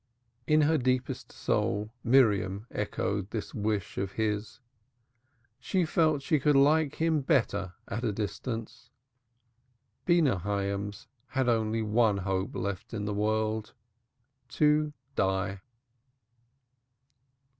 In her deepest soul Miriam echoed this wish of his. She felt she could like him better at a distance. Beenah Hyams had only one hope left in the world to die.